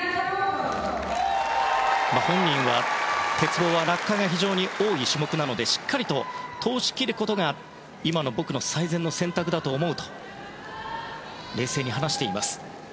本人は鉄棒は落下が非常に多い種目なのでしっかりと通し切ることが今の僕の最善の選択だと思うと冷静に話していました。